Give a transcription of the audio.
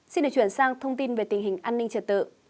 xin được chuyển sang thông tin về tình hình an ninh trật tự